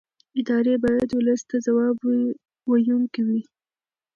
ادارې باید ولس ته ځواب ویونکې وي